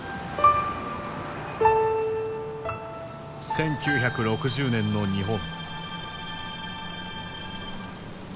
１９６０年の日本。